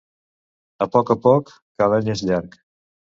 A poc a poc, que l'any és llarg.